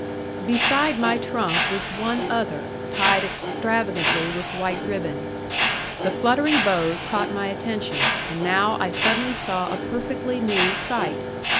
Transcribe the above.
Beside my trunk was one other, tied extravagantly with white ribbon. The fluttering bows caught my attention, and now I suddenly saw a perfectly new sight.